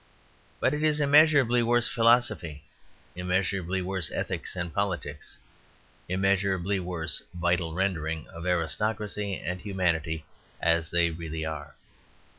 But it is immeasurably worse philosophy, immeasurably worse ethics and politics, immeasurably worse vital rendering of aristocracy and humanity as they really are.